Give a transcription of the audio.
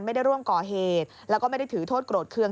ไม่ได้ร่วมก่อเหตุแล้วก็ไม่ได้ถือโทษโกรธเครื่อง